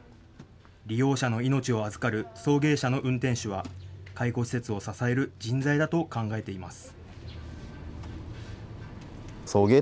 利用者の命を預かる送迎車の運転手は介護施設を支える人材だと考えています。